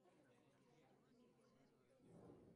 Al menos uno de ellos utilizó una cerbatana.